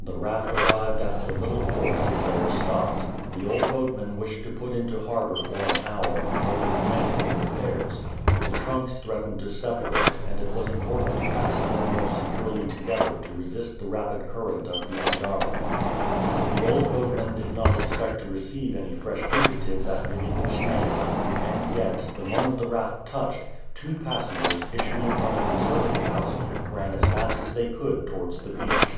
The raft arrived at the little port and there stopped. The old boatman wished to put into harbor for an hour, in order to make some repairs. The trunks threatened to separate, and it was important to fasten them more securely together to resist the rapid current of the Angara. The old boatman did not expect to receive any fresh fugitives at Livenitchnaia, and yet, the moment the raft touched, two passengers, issuing from a deserted house, ran as fast as they could towards the beach.